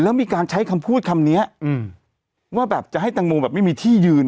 แล้วมีการใช้คำพูดคำนี้ว่าแบบจะให้แตงโมแบบไม่มีที่ยืน